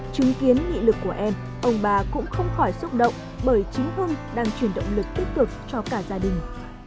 chứng kiến nghị lực của em ông bà cũng không khỏi xúc động bởi chính hưng đang chuyển động lực tích cực cho cả gia đình